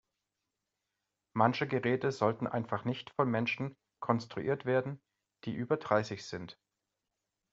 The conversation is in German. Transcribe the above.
Manche Geräte sollten einfach nicht von Menschen konstruiert werden, die über dreißig sind.